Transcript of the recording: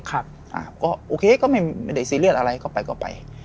ก็โอเคก็ไม่ได้ซีเรียสอะไรก็ไปก็ไป